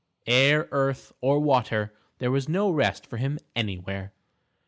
Air, earth, or water, there was no rest for him anywhere.